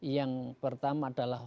yang pertama adalah